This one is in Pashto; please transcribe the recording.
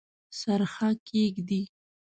څرخه کښیږدي